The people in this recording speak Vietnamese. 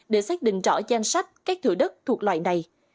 để xác định rõ danh sách các thủ đất thuộc loại này